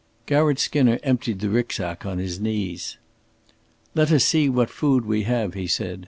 Garratt Skinner emptied the Rücksack on his knees. "Let us see what food we have," he said.